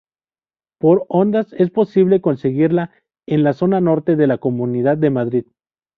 Por ondas es posible seguirla en la zona norte de la Comunidad de Madrid.